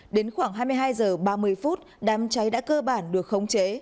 đến khoảng hai mươi hai h ba mươi đám cháy đã cơ bản được khống chế